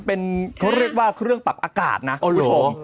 เป็นเครื่องปรักอากาศนะคุณผวง